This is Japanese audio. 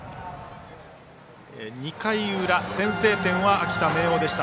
２回裏先制点は秋田・明桜でした。